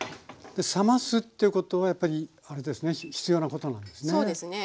で冷ますっていうことはやっぱりあれですね必要なことなんですね。